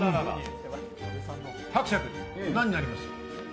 伯爵、何になりますか？